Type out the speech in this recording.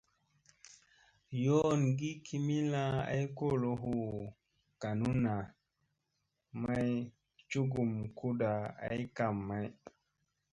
Yoongi kimilla ay kolo hu ganunna may cugum kuda ay kam may.